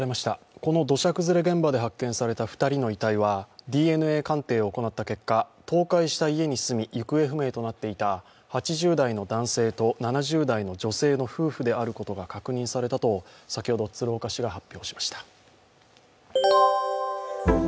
この土砂崩れ現場で発見された２人の遺体はＤＮＡ鑑定を行った結果、倒壊した家に住んでいた８０代の男性と７０代の女性の夫婦であることが確認されたと先ほど鶴岡市が発表しました。